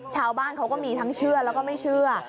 ชาวบ้านเขาก็มีทั้งเชื่อแล้วก็ไม่เชื่อ